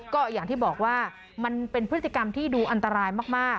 ก็อย่างที่บอกว่ามันเป็นพฤติกรรมที่ดูอันตรายมาก